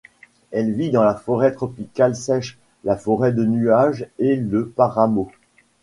Elle vit dans la forêt tropicale sèche, la forêt de nuage et le páramo.